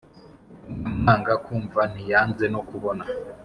Nyamwanga kumva ntiyanze no kubona